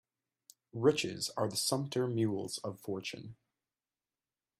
Riches are the sumpter mules of fortune.